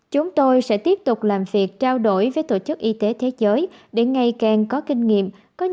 chúng tôi sẽ tiếp tục làm việc trao đổi với tổ chức y tế thế giới để ngày càng có kinh nghiệm